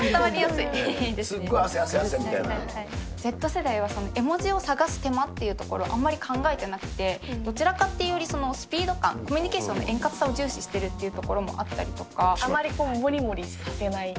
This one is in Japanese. Ｚ世代はその絵文字を探す手間というところをあまり考えてなくて、どちらかっていうより、スピード感、コミュニケーションの円滑さを重視してるっていうところがあるとあまりもりもりさせない。